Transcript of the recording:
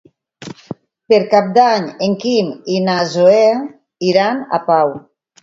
Per Cap d'Any en Quim i na Zoè iran a Pau.